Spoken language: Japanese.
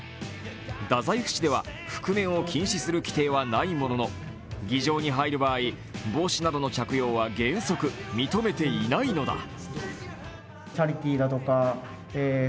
太宰府市では覆面を禁止する規定はないものの議場に入る場合帽子などの着用は原則認めていないのだ。